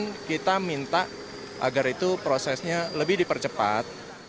kemudian kita minta agar itu prosesnya lebih dipercepat